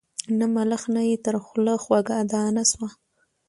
نه ملخ نه یې تر خوله خوږه دانه سوه